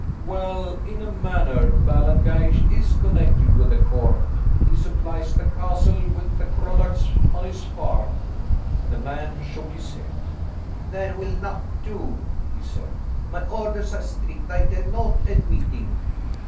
"Well, in a manner, Ballengeich is connected with the court. He supplies the castle with the products of his farm." The man shook his head. "That will not do," he said, "my orders are strict. I dare not admit him."